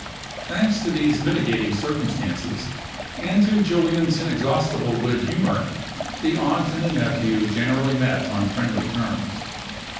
Thanks to these mitigating circumstances, and to Julian's inexhaustible good humor, the aunt and the nephew generally met on friendly terms.